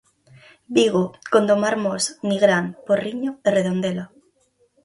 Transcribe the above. Vigo, Gondomar Mos, Nigrán, Porriño e Redondela.